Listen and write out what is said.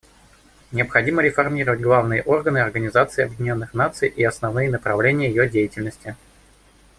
Необходимо реформировать главные органы Организации Объединенных Наций и основные направления ее деятельности.